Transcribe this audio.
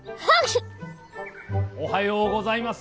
おはようございます。